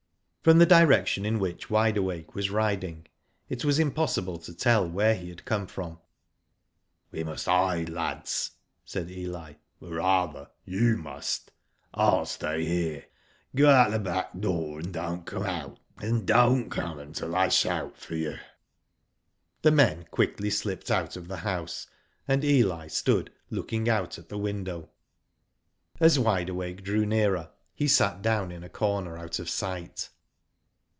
From the direction in which Wide Awake was riding, it was impossible to tell where he had come from. ^* We must hide, lads," said Eli ;" or, rather, you must, ril stay here. Go out at the back door, and don't come until I shout for you." The men quickly slipped out of the house, and Eli stood looking out at the window. As Wide Awake drew nearer, he sat down in a corner out of sight.